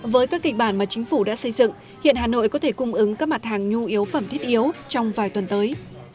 với các kịch bản mà chính phủ đã xây dựng hiện hà nội có thể cung ứng các mặt hàng nhu yếu phẩm thiết yếu trong vài tuần tới